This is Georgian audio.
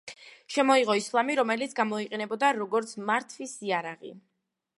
შემოიღო ისლამი, რომელიც გამოიყენებოდა, როგორც მართვის იარაღი.